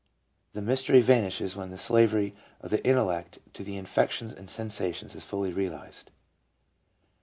The mystery vanishes when the slavery of the intellect to the affections and sensations is fully realized.